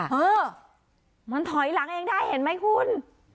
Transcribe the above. เออมันถอยหลังเองได้เห็นไหมคุณ